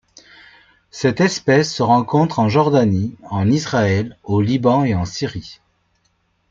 Cette espèce se rencontre en Jordanie, en Israël, au Liban et en Syrie.